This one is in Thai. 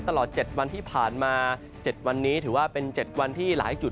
ตลอด๗วันที่ผ่านมา๗วันนี้ถือว่าเป็น๗วันที่หลายจุด